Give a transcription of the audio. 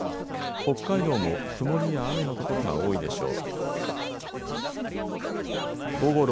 北海道も曇りや雨の所が多いでしょう。